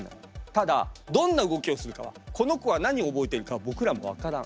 ただどんな動きをするかはこの子は何を覚えているかは僕らも分からん。